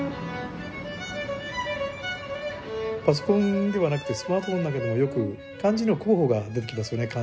パソコンではなくてスマートフォンなんかでもよく漢字の候補が出てきますよね